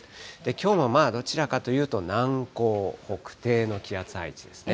きょうもまあ、どちらかというと南高北低の気圧配置ですね。